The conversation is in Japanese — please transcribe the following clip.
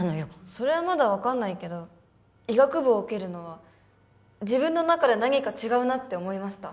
それはまだ分かんないけど医学部を受けるのは自分の中で何か違うなって思いました